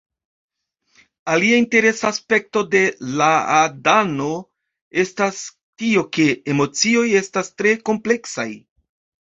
Alia interesa aspekto de Láadano estas tio ke emocioj estas tre kompleksaj